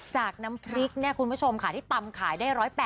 จากน้ำพริกเนี่ยคุณผู้ชมค่ะที่ตำขายได้๑๘๐